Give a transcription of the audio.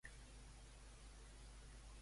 I en quines altres festes majors de Barcelona?